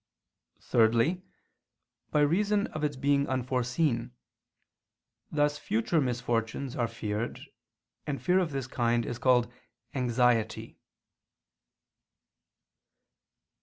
Thirdly, by reason of its being unforeseen: thus future misfortunes are feared, and fear of this kind is called _anxiety.